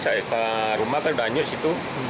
kalau ke atas rumah kan sudah nyus itu